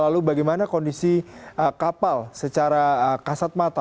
lalu bagaimana kondisi kapal secara kasat mata